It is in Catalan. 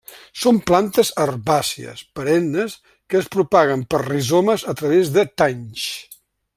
Són plantes herbàcies perennes que es propaguen per rizomes a través de tanys.